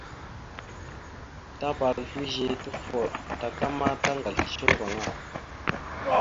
Tapala slʉze, tufoɗ, taka ma tagasl shʉŋgo aŋa.